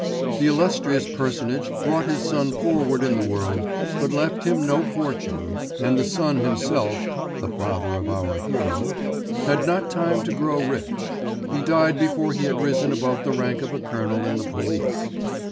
The illustrious personage brought his son forward in the world, but left him no fortune, and the son himself (the father of our hero) had not time to grow rich; he died before he had risen above the rank of a colonel in the police.